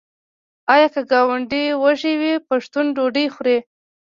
آیا که ګاونډی وږی وي پښتون ډوډۍ خوري؟